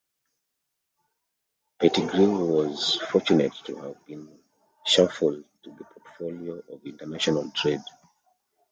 Pettigrew was fortunate to have been shuffled to the portfolio of International Trade.